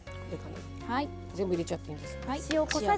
全部入れちゃっていいんですね。